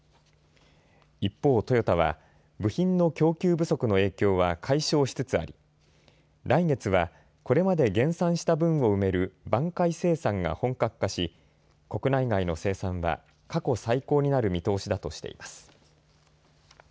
一方、トヨタは部品の供給不足の影響は解消しつつあり来月はこれまで減産した分を埋める挽回生産が本格化し国内外の生産は過去最高になる見通しだとしています。